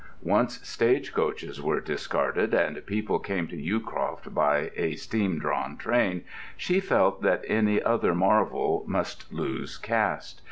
Once stage coaches were discarded, and people came to Yewcroft by a steam drawn train, she felt that any other marvel must lose caste.